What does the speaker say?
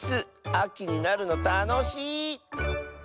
あきになるのたのしい。